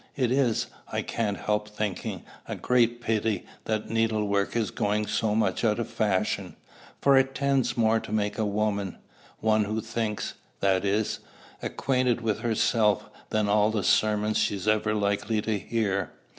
It is, I can't help thinking, a great pity that needlework is going so much out of fashion; for it tends more to make a woman one who thinks, that is acquainted with herself than all the sermons she is ever likely to hear.